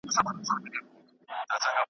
ړوند یو وار امساء ورکوي